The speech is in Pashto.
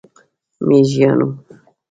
میږیانو،